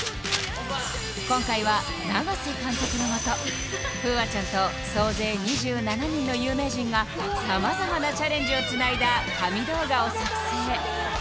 今回は永瀬監督の下、楓空ちゃんと総勢２７人の有名人がさまざまなチャレンジをつないだ神動画を作成。